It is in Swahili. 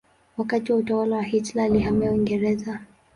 Wakati wa utawala wa Hitler alihamia Uingereza.